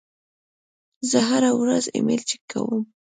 زه هره ورځ ایمیل چک کوم.